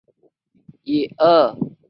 长萼连蕊茶是山茶科山茶属的植物。